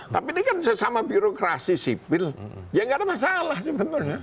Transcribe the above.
tapi ini kan sesama birokrasi sipil ya nggak ada masalah sebenarnya